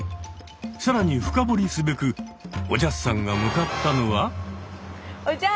更に深掘りすべくおじゃすさんが向かったのは。